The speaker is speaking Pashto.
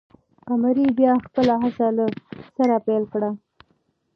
قمري بیا خپله هڅه له سره پیل کړه.